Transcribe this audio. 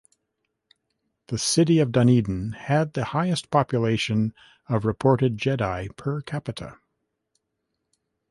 The city of Dunedin had the highest population of reported Jedi per capita.